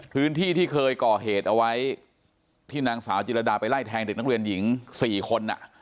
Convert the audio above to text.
พื้นที่ที่เคยก่อเหตุเอาไว้ที่นางสาวจิรดาไปไล่แทงเด็กนักเรียนหญิง๔คน